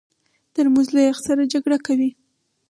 ترموز له یخ سره جګړه کوي.